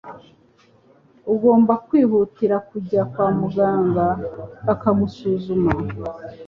ugomba kwihutira kujya kwa muganga bakagusuzuma.